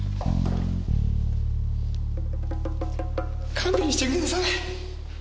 勘弁してください。